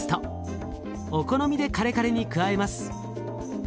お好みでカレカレに加えます。